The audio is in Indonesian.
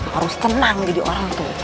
harus tenang jadi orang tuh